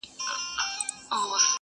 اوس هغه سالار شیطان ته پر سجده دی -